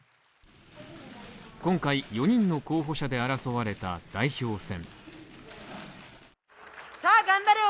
今回、４人の候補者で争われた代表戦。